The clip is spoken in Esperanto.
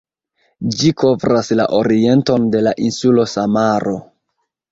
Ĝi kovras la orienton de la insulo Samaro.